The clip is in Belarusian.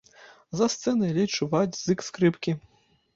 За сцэнай ледзь чуваць зык скрыпкі.